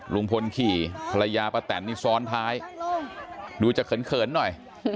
ลุงพลขี่ภรรยาป้าแตนนี่ซ้อนท้ายดูจะเขินหน่อย